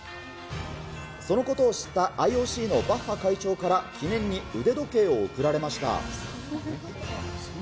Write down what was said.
そのことを知ったＩＯＣのバッハ会長から、記念に腕時計を贈られました。